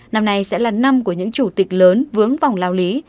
năm nay sẽ là năm của những chủ tịch lớn vướng vòng lao lý